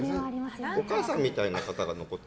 お母さんみたいな方が残って。